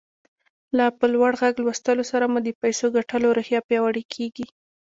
له په لوړ غږ لوستلو سره مو د پيسو ګټلو روحيه پياوړې کېږي.